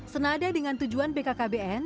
senada dengan tujuan bkkbn